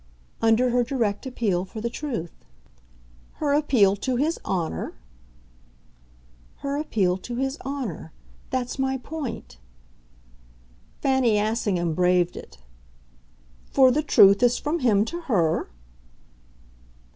"Under her direct appeal for the truth." "Her appeal to his honour?" "Her appeal to his honour. That's my point." Fanny Assingham braved it. "For the truth as from him to her?"